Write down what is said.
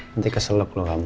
nanti keseluk lo kamu